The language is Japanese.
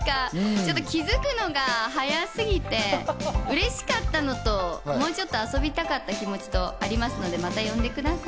ちょっと気づくのが早すぎて、うれしかったのと、もうちょった遊びたかった気持ちとありますので、また呼んでください。